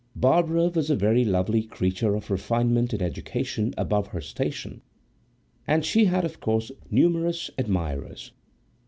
Barbara was a very lovely creature of refinement and education above her station, and she had of course numerous admirers.